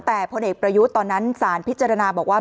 แต่พลเอกประยุทธ์ตอนนั้นสารพิจารณาบอกว่า